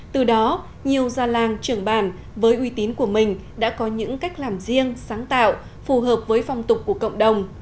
từ đó nhiều già làng trưởng bàn với uy tín của mình đã có những cách làm riêng sáng tạo phù hợp với phong tục của cộng đồng